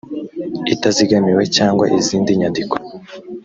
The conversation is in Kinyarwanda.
itazigamiwe cyangwa izindi nyandiko